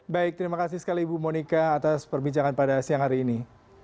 baik terima kasih sekali ibu monika atas perbincangan pada siang hari ini